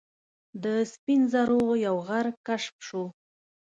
د سپین زرو یو غر کشف شو.